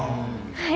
はい。